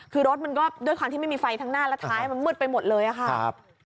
คือรถมันก็ด้วยความที่ไม่มีไฟทั้งหน้าและท้ายมันมืดไปหมดเลยอะค่ะ